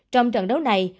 trong trận đấu này